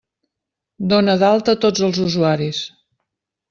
Dona d'alta tots els usuaris!